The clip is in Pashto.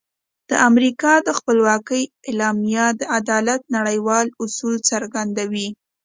د امریکا د خپلواکۍ اعلامیه د عدالت نړیوال اصول څرګندوي.